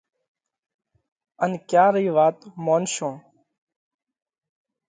ان ڪيا رئِي وات مونشون؟